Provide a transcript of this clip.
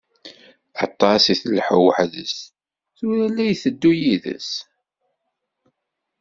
Aṭas i telḥa weḥd-s, tura la iteddu yid-s.